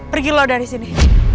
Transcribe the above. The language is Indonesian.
pergilah dari sini